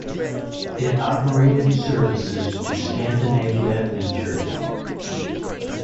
It operated services to Scandinavia and Turkey.